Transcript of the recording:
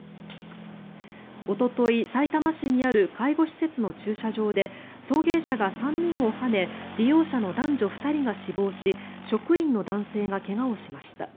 おととい、さいたま市にある介護施設の駐車場で送迎車が３人をはね利用者の男女２人が死亡し職員の男性が怪我をしました。